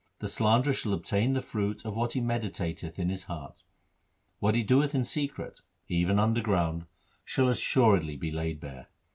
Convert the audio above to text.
The slanderer shall obtain the fruit of what he meditateth in his heart. What he doeth in secret, even underground, shall assuredly be laid bare.